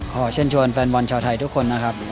ขอเชิญชวนแฟนบอลชาวไทยทุกคนนะครับ